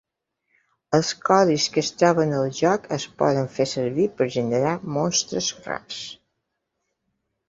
Els codis que es troben al joc es poden fer servir per generar monstres rars.